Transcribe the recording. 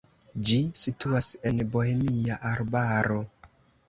Ĝi situas en Bohemia arbaro.